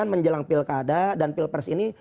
menjelang pilkada dan pilpres ini